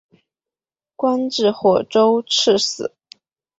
官至霍州刺史。